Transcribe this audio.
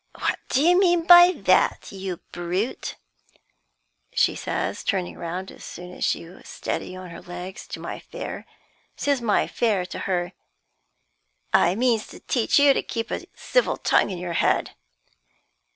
'What do you mean by that, you brute?' says she, turning round as soon as she was steady on her legs, to my fare. Says my fare to her: 'I means to teach you to keep a civil tongue in your head.